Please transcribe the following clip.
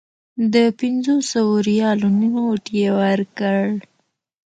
د پنځو سوو ریالو نوټ یې ورکړ.